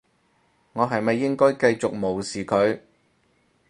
我係咪應該繼續無視佢？